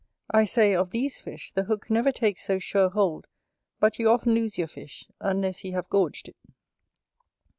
I say, of these fish the hook never takes so sure hold but you often lose your fish, unless he have gorged it.